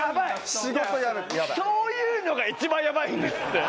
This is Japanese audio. そういうのが一番やばいんですって。